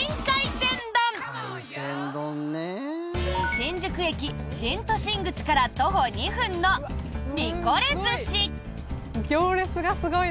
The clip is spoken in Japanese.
新宿駅新都心口から徒歩２分の三是寿司。